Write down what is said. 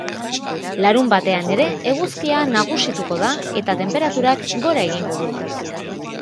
Larunbatean ere eguzkia nagusituko da eta tenperaturak gora egingo du.